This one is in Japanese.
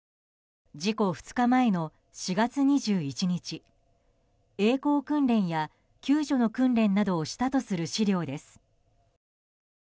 事故２日前の４月２１日曳航訓練や救助の訓練などをしたとする資料です。